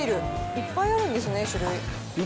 いっぱいあるんですね、種類。